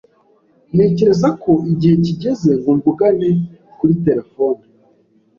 Ntekereza ko igihe kigeze ngo mvugane kuri terefone.